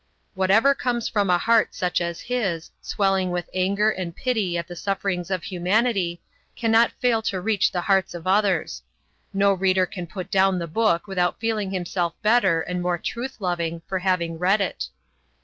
Whatever comes from a heart such as his, swelling with anger and pity at the sufferings of humanity, cannot fail to reach the hearts of others. No reader can put down the book without feeling himself better and more truth loving for having read it.